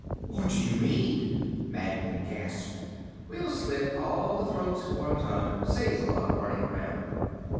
"What do you mean?" Magnan gasped. "We'll slit all the throats at one time. Saves a lot of running around."